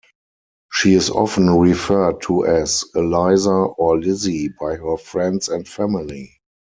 She is often referred to as Eliza or Lizzy by her friends and family.